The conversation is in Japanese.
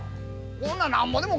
こんなんなんぼでも